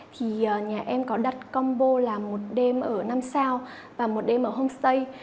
thì nhà em có đặt combo là một đêm ở năm sao và một đêm ở homestay